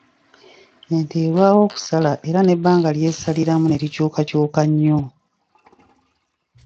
Ente erwawo okusala era n’ebbanga ly’esaliramu ne likyukakyuka nnyo.